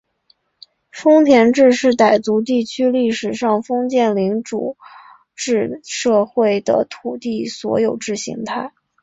份田制是傣族地区历史上封建领主制社会的土地所有制形态。